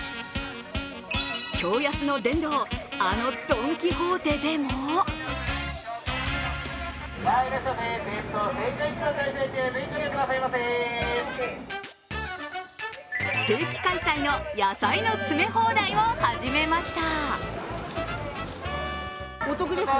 驚安の殿堂、あのドン・キホーテでも定期開催の野菜の詰め放題を始めました。